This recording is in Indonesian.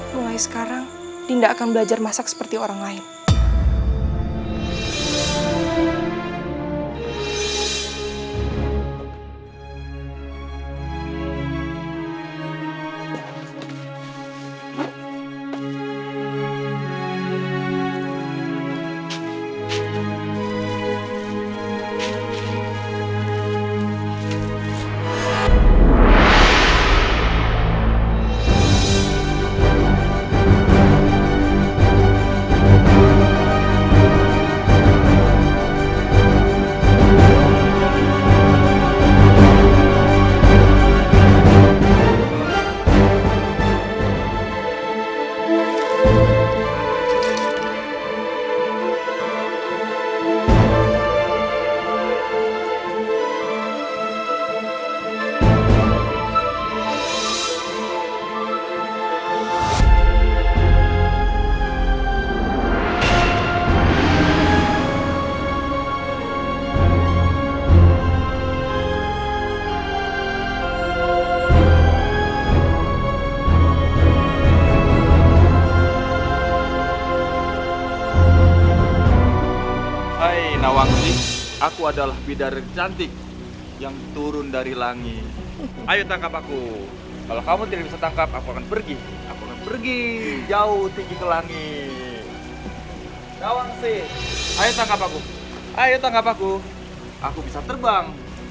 mulai sekarang dinda akan belajar masak seperti orang lain